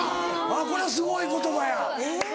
これはすごい言葉や。